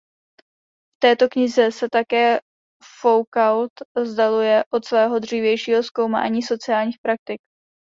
V této knize se také Foucault vzdaluje od svého dřívějšího zkoumání sociálních praktik.